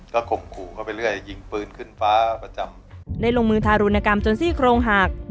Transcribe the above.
ก็ข่มขู่เข้าไปเรื่อยยิงปืนขึ้นฟ้าประจำได้ลงมือทารุณกรรมจนซี่โครงหัก